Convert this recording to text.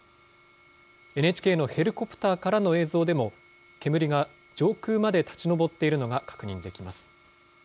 ＮＨＫのヘリコプターからの映像でも、煙が上空まで立ち上っているのが確認できます。